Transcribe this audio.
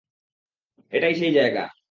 এটাই সেই জায়গা।